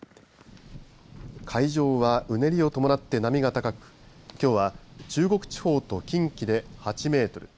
海上はうねりを伴って波が高くきょうは中国地方と近畿で８メートル